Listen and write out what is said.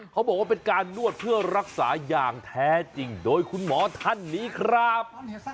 เขาบอกว่าเป็นการนวดเพื่อรักษาอย่างแท้จริงโดยคุณหมอท่านนี้ครับ